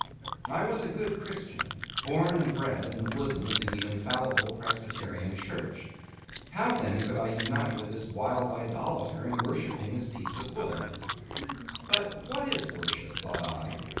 I was a good Christian; born and bred in the bosom of the infallible Presbyterian Church. How then could I unite with this wild idolator in worshipping his piece of wood? But what is worship? thought I.